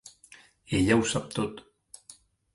Ella ho sap tot.